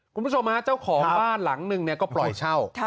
คุณผู้ชมฮะเจ้าของบ้านหลังหนึ่งก็ปล่อยเช่า